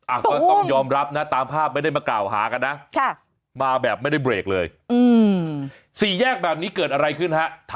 อ่ะก็ต้องยอมรับนะตามภาพไม่ได้มากล่าวหากันนะ